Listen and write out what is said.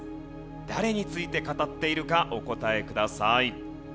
誰について語っているかお答えください。